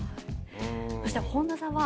そして本田さんは。